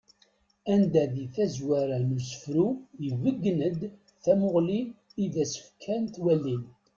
Anda di tazwara n usefru ibeggen-d tamuɣli i d as-fkan twalin.